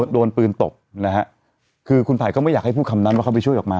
โดนปืนตบนะฮะคือคุณไผ่ก็ไม่อยากให้พูดคำนั้นว่าเขาไปช่วยออกมา